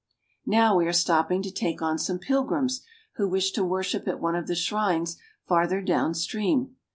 Now we are stopping to take on some pilgrims who wish to worship at one of the shrines farther down stream.